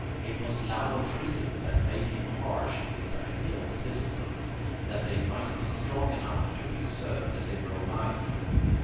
It was love of freedom that made him harsh to his ideal citizens, that they might be strong enough to preserve the liberal life.